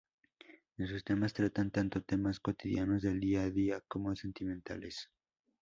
En sus temas tratan tanto temas cotidianos del día a día, como sentimentales.